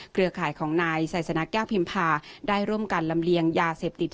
เครือข่ายของนายไซสนาแก้วพิมพาได้ร่วมกันลำเลียงยาเสพติด